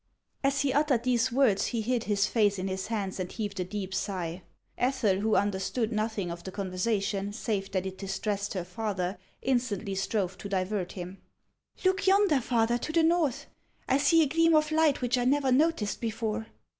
As he uttered these words, he hid his face in his hands and heaved a deep sigh. Ethel, who understood nothing of the conversation, save that it distressed her father, instantly strove to divert him. " Look yonder, father, to the north ; I see a gleam of light which I never noticed before."